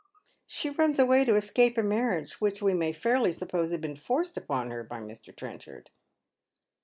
" She runs away to escape a maniage which we may fairly suppose had been forced upon her by Mr. Trenchard."